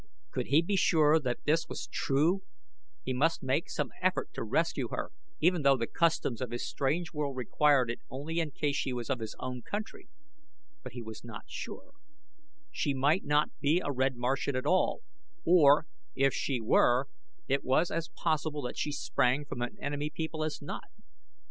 Could he be sure that this was true he must make some effort to rescue her even though the customs of his strange world required it only in case she was of his own country; but he was not sure; she might not be a red Martian at all, or, if she were, it was as possible that she sprang from an enemy people as not.